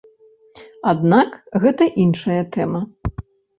Аднак, гэта іншая тэма.